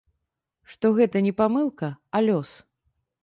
Што гэта не памылка, а лёс.